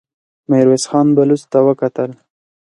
ميرويس خان بلوڅ ته وکتل.